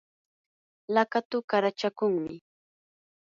laqatu qarachakunmi.